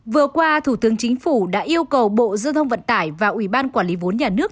vừa qua thủ tướng chính phủ đã yêu cầu bộ giao thông vận tải và ủy ban quản lý vốn nhà nước